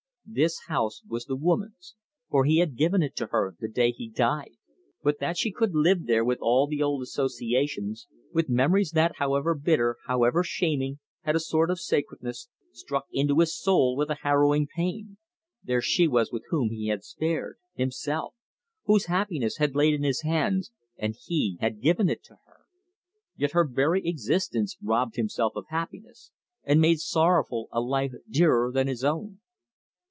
This house was the woman's, for he had given it to her the day he died. But that she could live there with all the old associations, with memories that, however bitter, however shaming, had a sort of sacredness, struck into his soul with a harrowing pain. There she was whom he had spared himself; whose happiness had lain in his hands, and he had given it to her. Yet her very existence robbed himself of happiness, and made sorrowful a life dearer than his own.